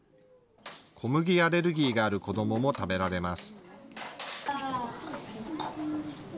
小麦アレルギーがある子どもも食べられます。